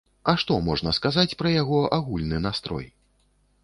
А што можна сказаць пра ягоны агульны настрой?